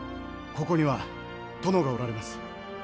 ここには殿がおられます。